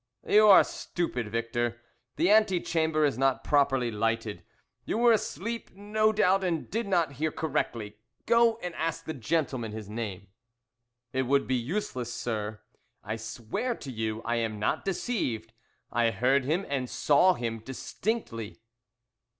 "You are stupid, Victor, the ante chamber is not properly lighted. You were asleep, no doubt, and did not hear correctly. Go, and ask the gentleman his name." "It would be useless, sir. I swear to you I am not deceived. I heard him, and saw him, distinctly."